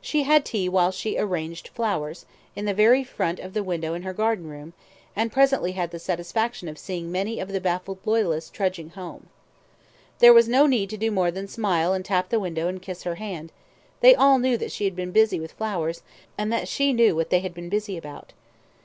She had tea while she arranged flowers, in the very front of the window in her garden room, and presently had the satisfaction of seeing many of the baffled loyalists trudging home. There was no need to do more than smile and tap the window and kiss her hand: they all knew that she had been busy with her flowers, and that she knew what they had been busy about.